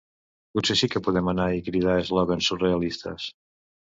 Potser sí que podem anar i cridar eslògans surrealistes.